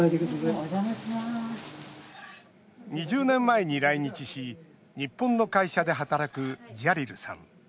２０年前に来日し日本の会社で働くジャリルさん。